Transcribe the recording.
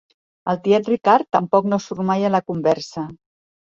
El tiet Ricard tampoc no surt mai a la conversa.